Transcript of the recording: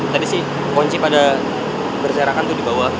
tadi sih kunci pada berserakan itu dibawah